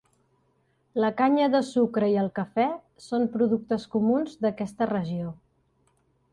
La canya de sucre i el cafè son productes comuns d'aquesta regió.